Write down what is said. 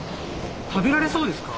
食べられそうですか？